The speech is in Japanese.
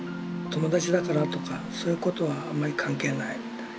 友達だからとかそういうことはあんまり関係ないみたい。